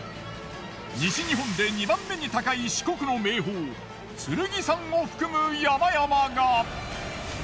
西日本で２番目に高い四国の名峰剣山を含む山々が。